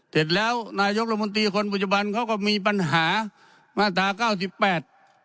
เสร็จแล้วนายกรมนตรีคนปัจจุบันเขาก็มีปัญหามาตราเก้าสิบแปด